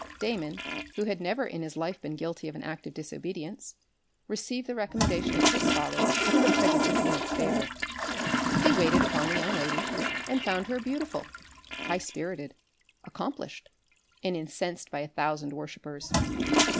Damon, who had never in his life been guilty of an act of disobedience, received the recommendation of his father with a prejudice in its favour. He waited upon the young lady and found her beautiful, high spirited, accomplished, and incensed by a thousand worshippers.